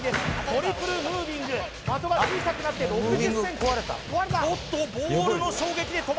トリプルムービング的が小さくなって６０ｃｍおっときた！